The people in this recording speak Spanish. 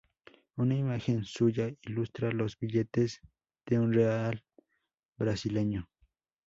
Una imagen suya ilustra los billetes de un real brasileño.